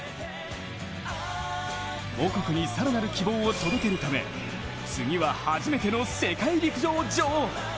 母国に更なる希望を届けるため次は初めての世界陸上女王。